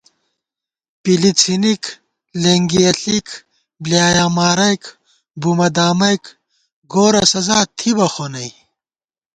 پِلی څھِنِک لېنگِیَہ ݪِک بۡلیایا مارَئیک بُمہ دامَئیک گورہ سزا تھِبہ خو نئ